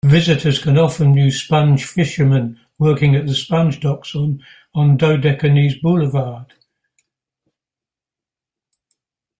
Visitors can often view sponge fishermen working at the Sponge Docks on Dodecanese Boulevard.